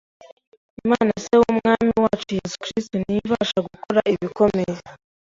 Imana Se w’Umwami wacu Yesu Kristo niyo ibasha gukora ibikomeye,